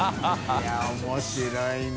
いやっ面白いね。